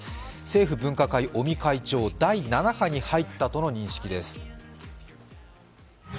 政府分科会・尾身会長、第７波に入ったとの認識です。